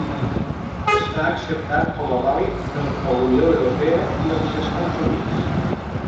Està acceptat com a vàlid per la Unió Europea i els Estats Units.